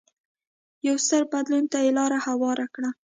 یو ستر بدلون ته یې لار هواره کړه.